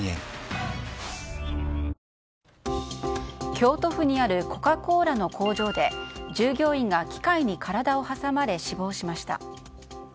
京都府にあるコカ・コーラの工場で従業員が機械に体を挟まれ死亡しました。